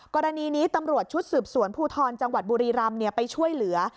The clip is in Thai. กรณีนี้ตำรวจชุดสืบสวนภูทรจังหวัดบุรีรำไปช่วยเหลือ